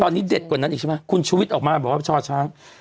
ตอนนี้เด็ดกว่านั้นอีกใช่ไหมคุณชุวิตออกมาบอกว่าช่อช้าง